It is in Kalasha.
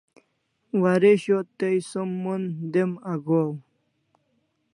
Waresho tai som mon dem agohaw